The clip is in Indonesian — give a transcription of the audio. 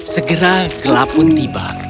segera gelap pun tiba